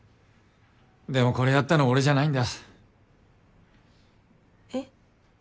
でもこれやったの俺じゃないんだ。え？